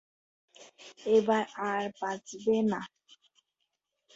এবার আর বাচঁবে না।